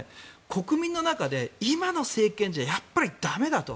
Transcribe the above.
国民の中で今の政権じゃやっぱりだめだと。